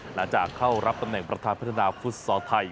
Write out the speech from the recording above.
หลังจากเข้ารับตำแหน่งประธานพัฒนาฟุตซอลไทย